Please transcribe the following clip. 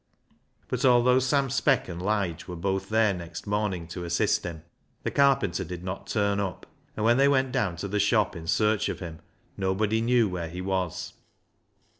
But although Sam Speck and Lige were both there next morning to assist him, the carpenter did not turn up, and when they went down to the shop in search of him, nobody knew where he was.